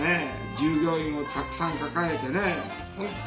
従業員をたくさん抱えてね本当